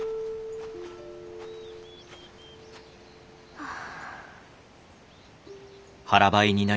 はあ。